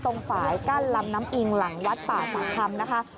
ตรงฝ่ายกั้นลำน้ำอิงหลังวัดป่าสามคำ